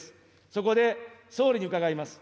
そこで総理に伺います。